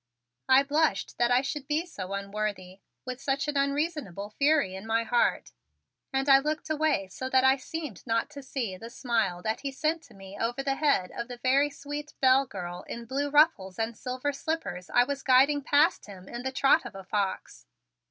I blushed that I should be so unworthy, with such an unreasonable fury in my heart, and I looked away so that I seemed not to see the smile that he sent to me over the head of the very sweet Belle girl in blue ruffles and silver slippers I was guiding past him in the trot of a fox.